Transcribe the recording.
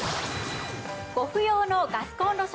ご不要のガスコンロ処分費用